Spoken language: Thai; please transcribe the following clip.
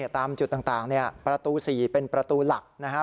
ตามจุดต่างประตู๔เป็นประตูหลักนะครับ